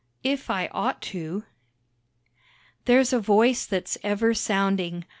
If I Ought To There's a voice that's ever sounding.